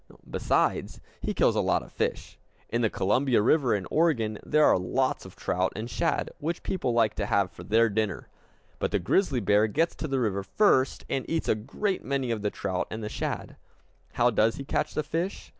Besides, he kills a lot of fish. In the Columbia River in Oregon there are lots of trout and shad, which people like to have for their dinner. But the grizzly bear gets to the river first, and eats a great many of the trout and the shad. How does he catch the fish?